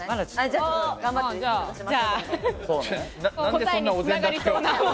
答えに繋がりそうな。